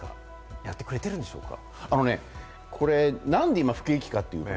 やってくれているんでしょうか？